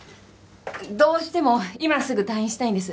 どうしても今すぐ退院したいんです。